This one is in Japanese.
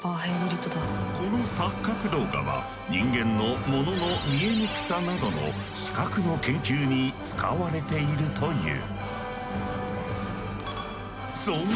この錯覚動画は人間の物の見えにくさなどの視覚の研究に使われているという。